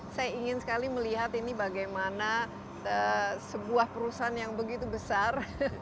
saya ingin sekali melihat ini bagaimana sebuah perusahaan yang begitu besar